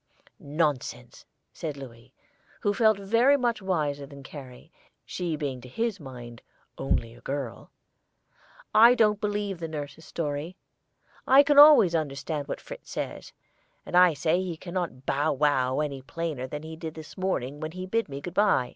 "Nonsense!" said Louis, who felt very much wiser than Carrie, she being to his mind "only a girl;" "I don't believe nurse's story. I can always understand what Fritz says, and I say he can not bow wow any plainer than he did this morning when he bid me good by."